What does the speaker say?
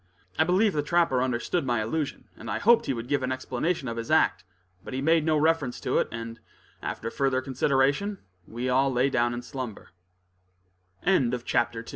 I believe the trapper understood my allusion, and I hoped he would give an explanation of his act; but he made no reference to it, and, after further conversation, we all lay down in slumbe